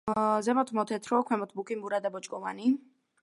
ზემოთ მოთეთრო, ქვემოთ მუქი მურა და ბოჭკოვანი.